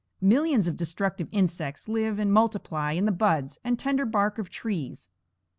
Millions of destructive insects live and multiply in the buds and tender bark of trees.